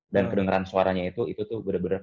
dan kedengeran suaranya itu itu tuh bener bener kayak